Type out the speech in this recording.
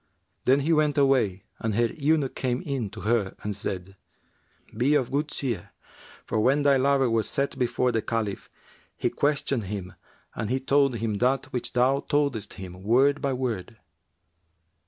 Then he went away and her eunuch came in to her and said, 'Be of good cheer; for, when thy lover was set before the Caliph, he questioned him and he told him that which thou toldest him, word by word.'